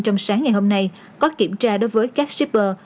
trong sáng ngày hôm nay có kiểm tra đối với các shipper